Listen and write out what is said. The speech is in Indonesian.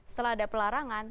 setelah ada pelarangan